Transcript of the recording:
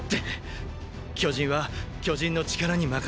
巨人は巨人の力に任せるしかない！